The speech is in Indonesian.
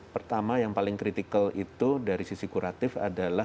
pertama yang paling kritikal itu dari sisi kuratif adalah